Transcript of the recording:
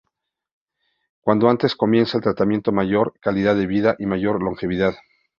Cuando antes comienza el tratamiento, mayor calidad de vida y mayor longevidad.